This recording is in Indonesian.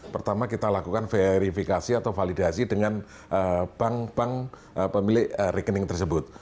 pertama kita lakukan verifikasi atau validasi dengan bank bank pemilik rekening tersebut